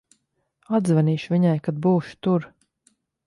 Atzvanīšu viņai, kad būšu tur.